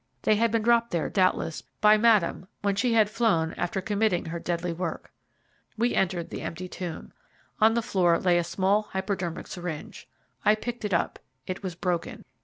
They had been dropped there, doubtless, by Madame when she had flown after committing her deadly work. We entered the empty tomb. On the floor lay a small hypodermic syringe. I picked it up it was broken.